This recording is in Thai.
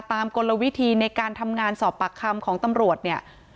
กลวิธีในการทำงานสอบปากคำของตำรวจเนี่ย